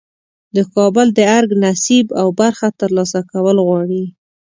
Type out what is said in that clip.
د کابل د ارګ نصیب او برخه ترلاسه کول غواړي.